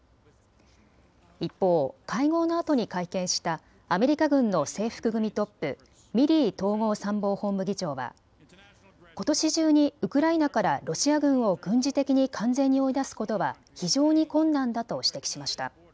一方、会合のあとに会見したアメリカ軍の制服組トップ、ミリー統合参謀本部議長はことし中にウクライナからロシア軍を軍事的に完全に追い出すことは非常に困難だと指摘しました。